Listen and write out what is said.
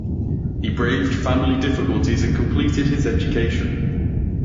He braved family difficulties and completed his education.